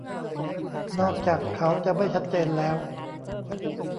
นอกจากเขาจะไม่ชัดเจนแล้ว